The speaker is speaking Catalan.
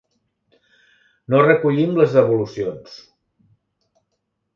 No recollim les devolucions.